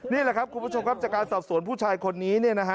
นี่แหละครับคุณผู้ชมครับจากการสอบสวนผู้ชายคนนี้